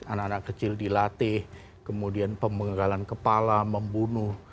anak anak kecil dilatih kemudian pemenggalan kepala membunuh